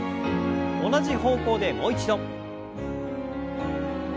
同じ方向でもう一度。